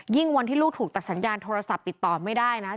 วันที่ลูกถูกตัดสัญญาณโทรศัพท์ติดต่อไม่ได้นะ